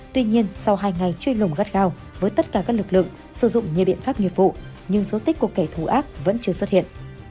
tuy nhiên sau hai ngày trôi lùng gắt gao với tất cả các lực lượng sử dụng nhiều biện pháp nghiệp vụ nhưng số tích của kẻ thù ác vẫn chưa xuất hiện